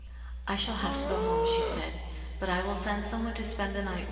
" I shall have to go home," she said, " but I will send some one to spend ttv^ tv\^\.